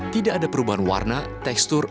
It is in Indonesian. tidak ada perubahan warna tekstur